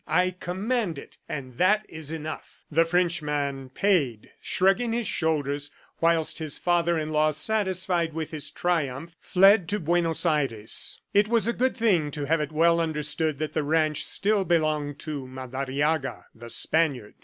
I command it and that is enough." The Frenchman paid, shrugging his shoulders, whilst his father in law, satisfied with his triumph, fled to Buenos Aires. It was a good thing to have it well understood that the ranch still belonged to Madariaga, the Spaniard.